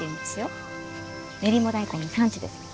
練馬大根の産地です。